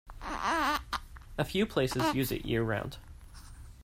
A few places use it year-round.